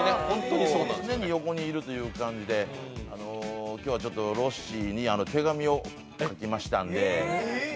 常に横にいるという感じで今日はロッシーに手紙を書きましたんで。